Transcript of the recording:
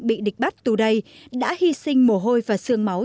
bị địch bắt tù đầy đã hy sinh mồ hôi và sương máu